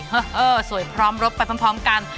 เออสวยพร้อมรบไปพร้อมกัน